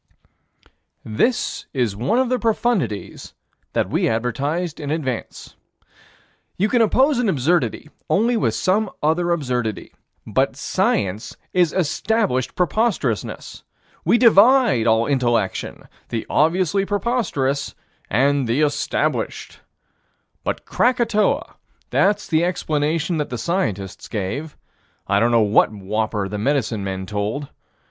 This is one of the profundities that we advertised in advance. You can oppose an absurdity only with some other absurdity. But Science is established preposterousness. We divide all intellection: the obviously preposterousness and the established. But Krakatoa: that's the explanation that the scientists gave. I don't know what whopper the medicine men told.